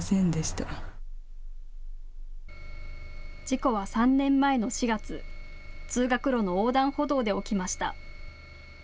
事故は３年前の４月、通学路の横断歩道で起きました。